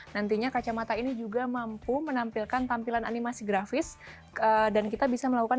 nantinya kacamata ini juga mampu menampilkan tampilan animasi grafis dan kita bisa melakukan